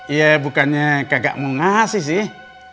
ya bukannya kagak mau ngasih sih